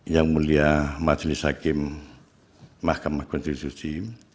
yang mulia majelis hakim mahkamah konstitusi